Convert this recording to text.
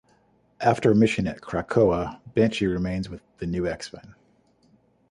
After a mission at Krakoa, Banshee remains with the "New X-Men".